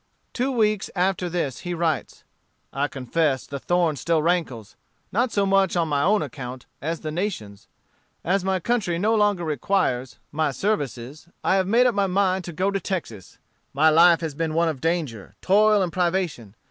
'" Two weeks after this he writes, "I confess the thorn still rankles, not so much on my own account as the nation's. As my country no longer requires my services, I have made up my mind to go to Texas. My life has been one of danger, toil, and privation.